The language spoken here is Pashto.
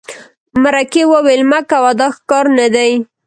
مرکې وویل مه کوه دا ښه کار نه دی.